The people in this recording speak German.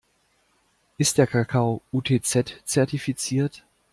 Ist der Kakao UTZ-zertifiziert?